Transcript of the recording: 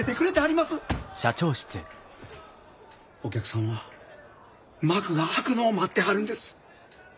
お客さんは幕が開くのを待ってはるんです。